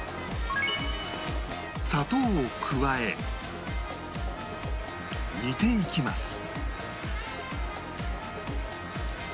砂糖を加え煮ていきます